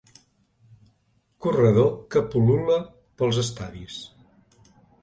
Corredor que pul·lula pels estadis.